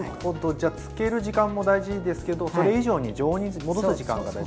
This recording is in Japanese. じゃ漬ける時間も大事ですけどそれ以上に常温に戻す時間が大事なんですね。